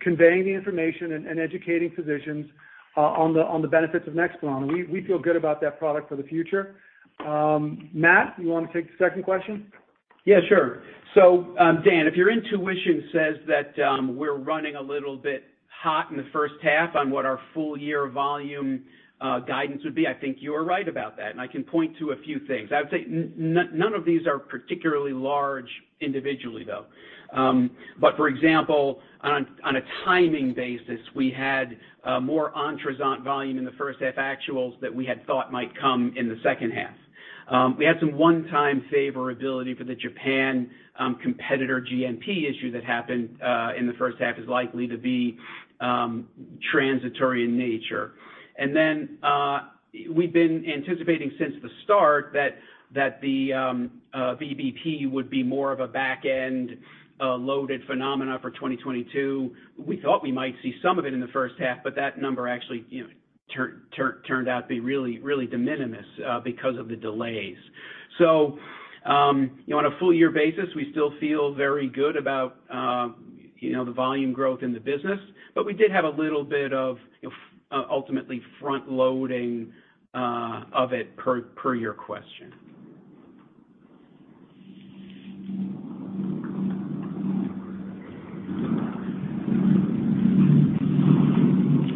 conveying the information and educating physicians on the benefits of NEXPLANON. We feel good about that product for the future. Matt, you wanna take the second question? Yeah, sure. Dan, if your intuition says that, we're running a little bit hot in the first half on what our full year volume guidance would be, I think you are right about that. I can point to a few things. I would say none of these are particularly large individually, though. For example, on a timing basis, we had more ONTRUZANT volume in the first half actuals that we had thought might come in the second half. We had some one-time favorability for the Japan competitor GMP issue that happened in the first half, is likely to be transitory in nature. We've been anticipating since the start that the VBP would be more of a back-end loaded phenomena for 2022. We thought we might see some of it in the first half, but that number actually, you know, turned out to be really, really de minimis because of the delays. You know, on a full year basis, we still feel very good about the volume growth in the business, but we did have a little bit of ultimately front loading of it per your question.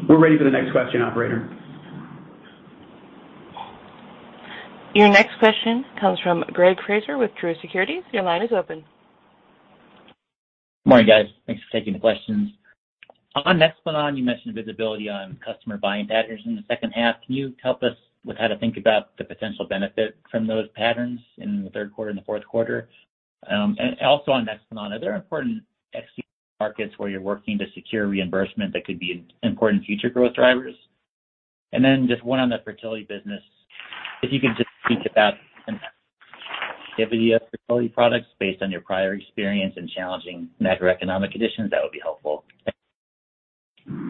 We're ready for the next question, operator. Your next question comes from Greg Fraser with Truist Securities. Your line is open. Good morning, guys. Thanks for taking the questions. On NEXPLANON, you mentioned visibility on customer buying patterns in the second half. Can you help us with how to think about the potential benefit from those patterns in the third quarter and the fourth quarter? Also on NEXPLANON, are there important ex-US markets where you're working to secure reimbursement that could be important future growth drivers? Just one on the fertility business. If you could just speak about sensitivity of fertility products based on your prior experience in challenging macroeconomic conditions, that would be helpful. Thanks.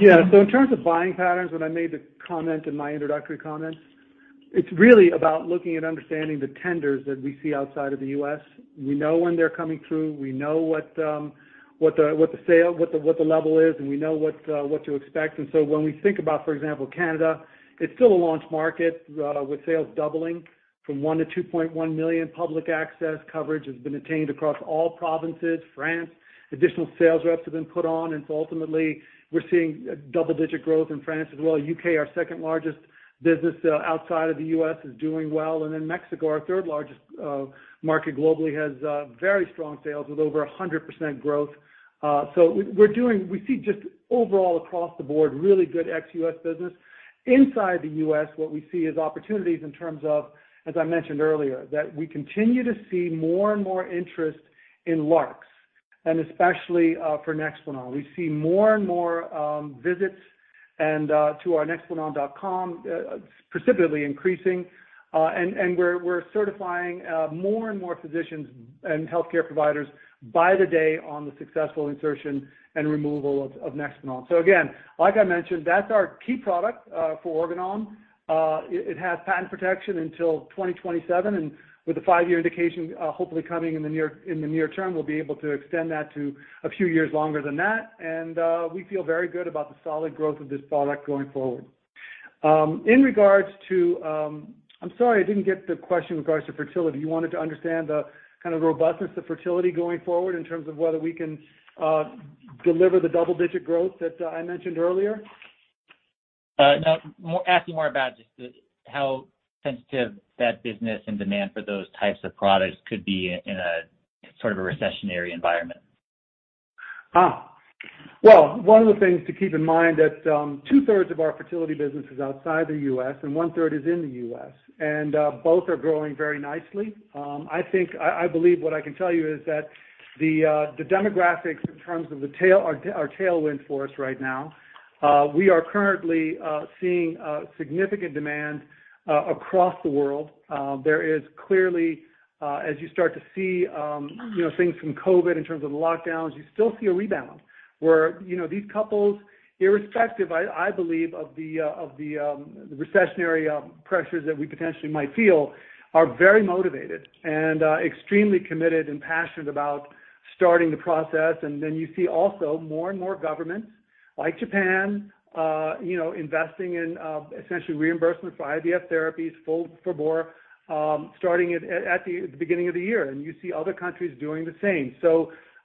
Yeah. In terms of buying patterns, when I made the comment in my introductory comments, it's really about looking and understanding the tenders that we see outside of the U.S. We know when they're coming through, we know what the sales level is, and we know what to expect. When we think about, for example, Canada, it's still a launch market with sales doubling from $1 million to $2.1 million. Public access coverage has been attained across all provinces. France, additional sales reps have been put on. Ultimately, we're seeing double-digit growth in France as well. U.K., our second largest business outside of the U.S., is doing well. Mexico, our third largest market globally, has very strong sales with over 100% growth. We see just overall across the board, really good ex-U.S. business. Inside the U.S., what we see is opportunities in terms of, as I mentioned earlier, that we continue to see more and more interest in LARCs, and especially for NEXPLANON. We see more and more visits to our Nexplanon.com, precipitously increasing. And we're certifying more and more physicians and healthcare providers by the day on the successful insertion and removal of NEXPLANON. Again, like I mentioned, that's our key product for Organon. It has patent protection until 2027, and with the five-year indication, hopefully coming in the near term, we'll be able to extend that to a few years longer than that. We feel very good about the solid growth of this product going forward. In regards to, I'm sorry, I didn't get the question in regards to fertility. You wanted to understand the kind of robustness of fertility going forward in terms of whether we can deliver the double-digit growth that I mentioned earlier? No. Asking more about just the how sensitive that business and demand for those types of products could be in a sort of a recessionary environment. Well, one of the things to keep in mind that, 2/3 of our fertility business is outside the U.S. and 1/3 is in the U.S., and both are growing very nicely. I think I believe what I can tell you is that the demographics in terms of the tailwind for us right now. We are currently seeing significant demand across the world. There is clearly, as you start to see you know things from COVID in terms of the lockdowns, you still see a rebound where you know these couples, irrespective I believe of the recessionary pressures that we potentially might feel, are very motivated and extremely committed and passionate about starting the process. You see also more and more governments like Japan, you know, investing in essentially reimbursement for IVF therapies, starting at the beginning of the year. You see other countries doing the same.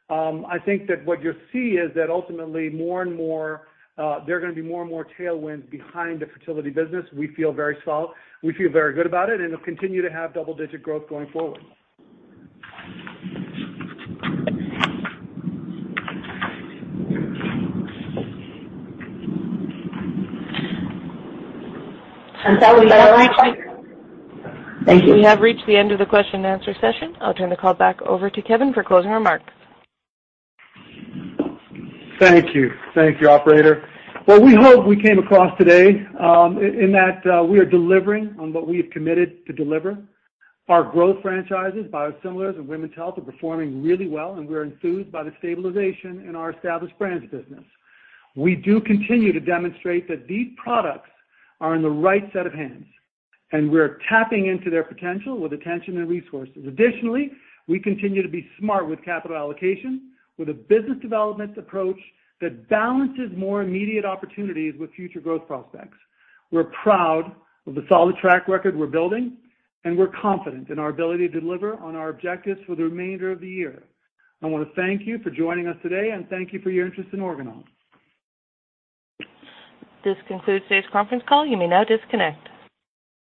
I think that what you'll see is that ultimately more and more there are gonna be more and more tailwinds behind the fertility business. We feel very solid. We feel very good about it, and it'll continue to have double-digit growth going forward. That will end our question. Thank you. We have reached the end of the question and answer session. I'll turn the call back over to Kevin for closing remarks. Thank you. Thank you, operator. Well, we hope we came across today in that we are delivering on what we've committed to deliver. Our growth franchises, biosimilars and women's health, are performing really well, and we're enthused by the stabilization in our established brands business. We do continue to demonstrate that these products are in the right set of hands, and we're tapping into their potential with attention and resources. Additionally, we continue to be smart with capital allocation, with a business development approach that balances more immediate opportunities with future growth prospects. We're proud of the solid track record we're building, and we're confident in our ability to deliver on our objectives for the remainder of the year. I wanna thank you for joining us today, and thank you for your interest in Organon. This concludes today's conference call. You may now disconnect.